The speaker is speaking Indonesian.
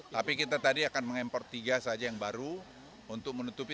tapi kita tadi akan mengimpor tiga saja yang baru untuk menutupi